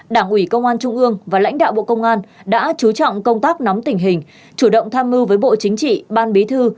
đảng ủy công an trung ương và lãnh đạo bộ công an đã chú trọng công tác nắm tình hình chủ động tham mưu với bộ chính trị ban bí thư